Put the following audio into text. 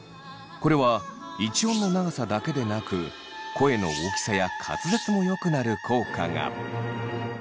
これは一音の長さだけでなく声の大きさや滑舌もよくなる効果が。